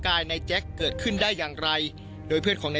ช่วยเร่งจับตัวคนร้ายให้ได้โดยเร่ง